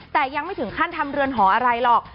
แต่ยังไม่ถึงขั้นทำเรือนหออะไรหรอก